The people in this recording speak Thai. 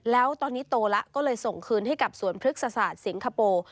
แล้วตอนนี้โตแล้วก็เลยส่งคืนให้กับสวนพฤกษศาสตร์สิงคโปร์